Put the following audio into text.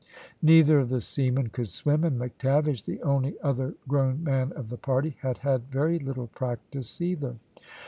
Neither of the seamen could swim, and McTavish, the only other grown man of the party, had had very little practice either.